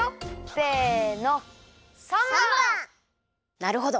なるほど。